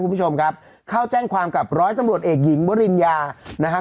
คุณผู้ชมครับเข้าแจ้งความกับร้อยตำรวจเอกหญิงบริญญานะครับ